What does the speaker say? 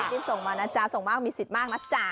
ที่ส่งมานะจ๊ะส่งมากมีสิทธิ์มากนะจ๊ะ